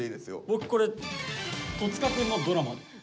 僕これ戸塚くんの「ドラマ」です。